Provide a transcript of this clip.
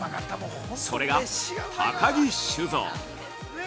それが、高木酒造。